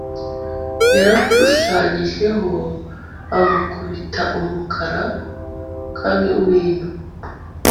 Yaramushushanyijeho amukubita umukara nka wino